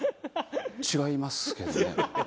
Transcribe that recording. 違いますけどね。